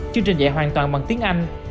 chương trình dạy hoàn toàn bằng tiếng anh